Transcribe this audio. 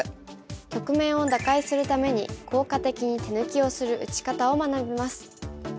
局面を打開するために効果的に手抜きをする打ち方を学びます。